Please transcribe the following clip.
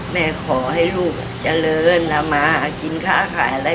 แม่ขอให้ลูกเจริญทำมาหากินค้าขายอะไร